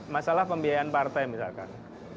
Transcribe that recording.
masalah pembiayaan partai misalkan